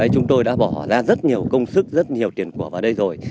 chúng tôi đã bỏ ra rất nhiều công sức rất nhiều tiền của vào đây rồi